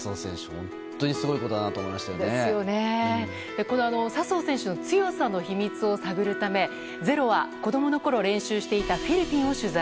本当にすごいことだなと笹生選手の強さの秘密を探るため「ｚｅｒｏ」は子供のころ練習していたフィリピンを取材。